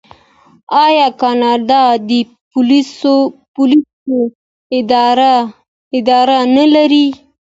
آیا کاناډا د پولیسو اداره نلري؟